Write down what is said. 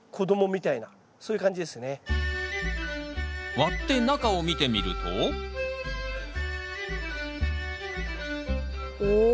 割って中を見てみるとお。